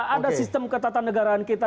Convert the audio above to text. ada sistem ketatan negaraan kita